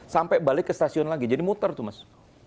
sampai balik ke stasiun lagi jadi muter tuh mas